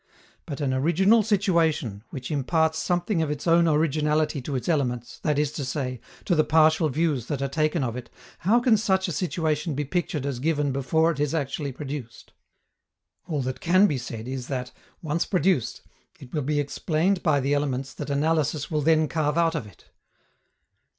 But an original situation, which imparts something of its own originality to its elements, that is to say, to the partial views that are taken of it, how can such a situation be pictured as given before it is actually produced? All that can be said is that, once produced, it will be explained by the elements that analysis will then carve out of it.